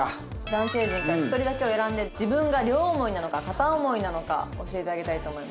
男性陣から１人だけを選んで自分が両思いなのか片思いなのか教えてあげたいと思います。